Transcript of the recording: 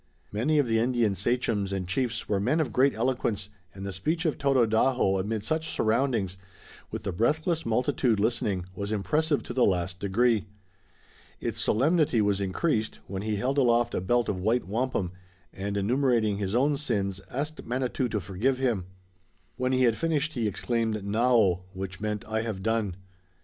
Many of the Indian sachems and chiefs were men of great eloquence, and the speech of Tododaho amid such surroundings, with the breathless multitude listening, was impressive to the last degree. Its solemnity was increased, when he held aloft a belt of white wampum, and, enumerating his own sins, asked Manitou to forgive him. When he had finished he exclaimed, "Naho," which meant, "I have done."